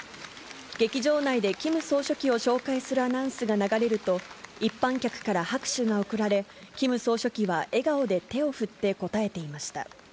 劇場内でキム総書記を紹介するアナウンスが流れると、一般客から拍手が送られ、キム総書記は笑顔で手を振って応えていました。